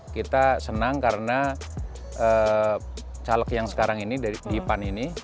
kita senang karena caleg yang sekarang ini di pan ini